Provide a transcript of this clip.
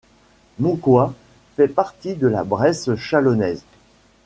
Montcoy fait partie de la Bresse chalonnaise.